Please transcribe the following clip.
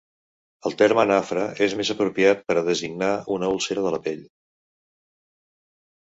El terme nafra és més apropiat per a designar una úlcera, de la pell.